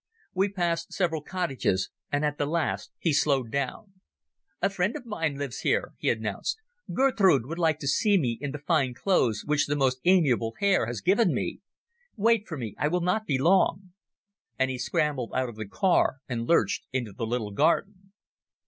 We passed several cottages and at the last he slowed down. "A friend of mine lives here," he announced. "Gertrud would like to see me in the fine clothes which the most amiable Herr has given me. Wait for me, I will not be long." And he scrambled out of the car and lurched into the little garden.